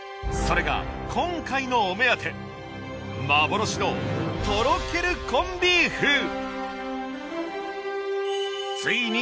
それが今回のお目当て幻のとろけるコンビーフ。